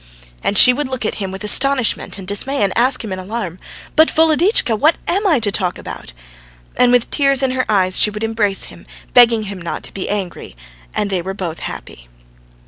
And she would look at him with astonishment and dismay, and ask him in alarm: "But, Voloditchka, what am I to talk about?" And with tears in her eyes she would embrace him, begging him not to be angry, and they were both happy.